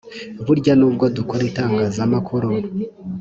Burya n’ubwo dukora itangazamakuru